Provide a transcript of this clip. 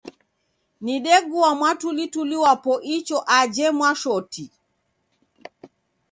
Nidegua mwatulituli wapo icho aje Mwashoti.